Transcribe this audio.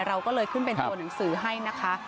เราก็เลยขึ้นเป็นตัวหนังสือให้นะคะ